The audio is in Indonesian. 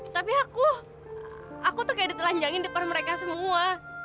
tapi aku aku tuh kayak ditelanjangin depan mereka semua